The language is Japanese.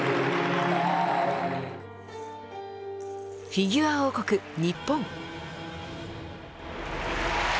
フィギュア王国日本。